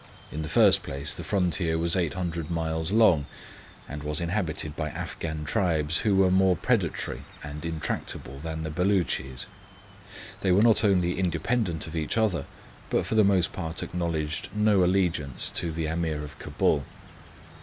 In the first place the frontier was 800 miles long, and was inhabited by Afghan tribes, who were more predatory and intractable than the Beloochees; they were not only independent of each other, but for the most part acknowledged no allegiance to the Ameer of Cabul.